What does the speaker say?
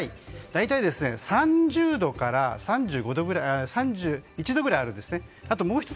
大体３０度から３１度ぐらいあるんです。